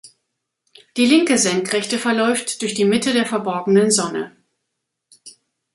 Die linke Senkrechte verläuft durch die Mitte der verborgenen Sonne.